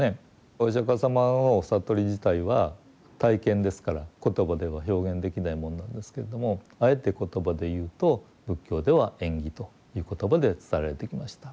お釈迦様の悟り自体は体験ですから言葉では表現できないものなんですけれどもあえて言葉で言うと仏教では縁起という言葉で伝えられてきました。